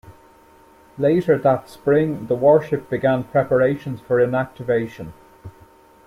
Later that spring the warship began preparations for inactivation.